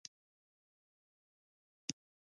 د ټرېننگ خونې ته ننوتو.